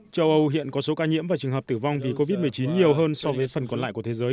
châu âu hiện có số ca nhiễm và trường hợp tử vong vì covid một mươi chín nhiều hơn so với phần còn lại của thế giới